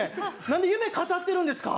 なんで夢語ってるんですか？